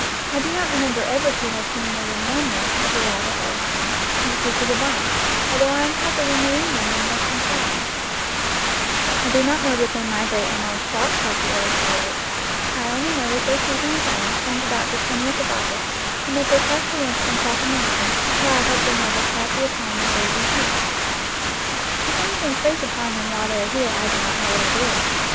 I do not remember ever to have seen more than one nest of the latter at a time in the peak of the barn, though I am told that in New England they nest in colonies. I do not know that 34 NEW GLEANINGS IN OLD FIELDS they migrate in large flocks like the other swallows. I only know that their season with us ends about the 20th of August, and that they pass the winter in South America, where I hope they have as happy a time as they do here. If anything preys upon them while they are here I do not know what it is.